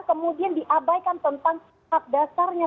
kemudian diabaikan tentang hak dasarnya